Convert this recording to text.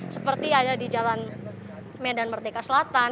seperti ada di jalan medan merdeka selatan